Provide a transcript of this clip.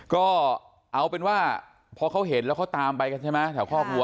ก็เอาเป็นว่าเพราะเขาเห็นแล้วเขาตามไปใช่ไหมแถวข้อกลัว